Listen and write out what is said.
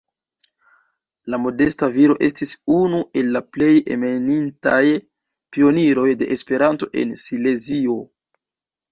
La modesta viro estis unu el la plej eminentaj pioniroj de Esperanto en Silezio.